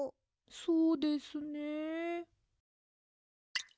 そうですね。